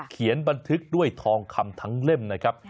เขียนบันทึกด้วยทองคำทั้งเล่มนะครับ